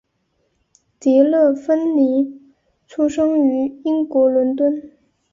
迪乐芬妮出生于英国伦敦。